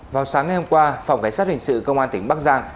vào sáng ngày hôm qua phòng cảnh sát hình sự công an tỉnh bắc giang